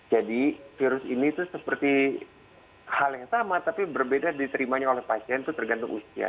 jadi virus ini tuh seperti hal yang sama tapi berbeda diterimanya oleh pasien tuh tergantung usia